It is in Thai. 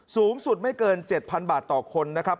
สูงสุดไม่เกิน๗๐๐บาทต่อคนนะครับ